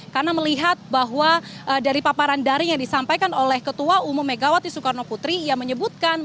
karena melihat bahwa dari paparan dari yang disampaikan oleh ketua umum megawati soekarno putri yang menyebutkan